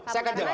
saya akan jawab